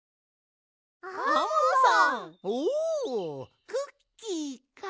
おおクッキーか。